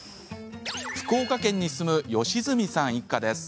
福岡県に住む吉住さん一家です。